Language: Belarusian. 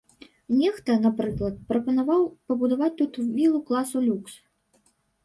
Нехта, напрыклад, прапанаваў пабудаваць тут вілу класу люкс.